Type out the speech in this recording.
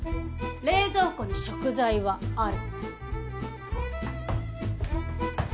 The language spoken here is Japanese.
冷蔵庫に食材はある。